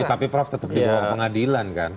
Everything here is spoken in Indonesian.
tapi prof tetap di bawah pengadilan kan